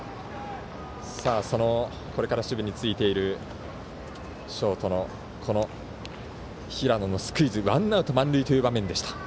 これから守備についているショートの平野のスクイズワンアウト、満塁という場面でした。